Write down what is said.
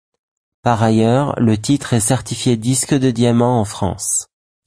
Par ailleurs, le titre est certifié disque de diamant en France.